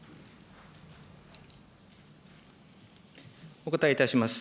お答えいたします。